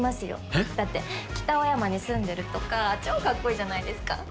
えっ？だって北青山に住んでるとか超かっこいいじゃないですか。